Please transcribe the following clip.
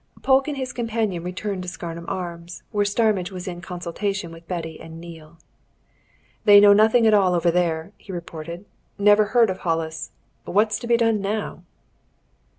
Polke and his companion returned to the Scarnham Arms, where Starmidge was in consultation with Betty and Neale. "They know nothing at all over there," he reported. "Never heard of Hollis. What's to be done now!"